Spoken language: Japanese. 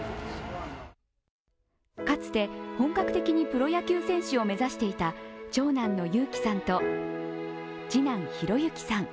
かつて、本格的にプロ野球選手を目指していた長男の裕樹さんと次男・かずゆきさん。